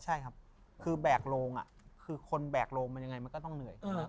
ใช่ครับคือแบกโรงคือคนแบกโรงมันยังไงมันก็ต้องเหนื่อย